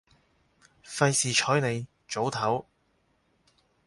費事睬你，早唞